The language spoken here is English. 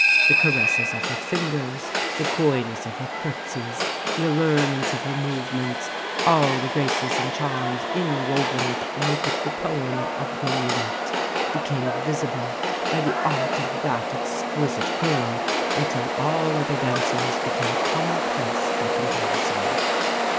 The caresses of her fingers, the coyness of her curtsies, the allurements of her movements all the graces and charms inwoven that make up the poem of the minuet became visible by the art of that exquisite girl, until all other dancers became common place by comparison."